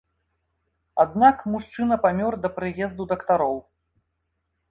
Аднак мужчына памёр да прыезду дактароў.